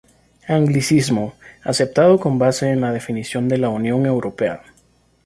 Anglicismo, aceptado con base en la definición de la Unión Europea.